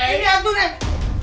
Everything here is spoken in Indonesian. ini hantu nek